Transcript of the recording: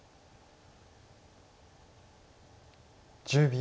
１０秒。